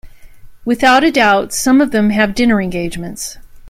Without a doubt, some of them have dinner engagements.